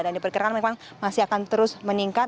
diperkirakan memang masih akan terus meningkat